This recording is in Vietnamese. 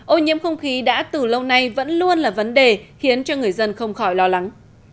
ô nhiễm không khí đã từ lâu nay vẫn luôn là vấn đề khiến cho người dân không khỏi lo lắng